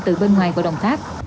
từ bên ngoài của đồng tháp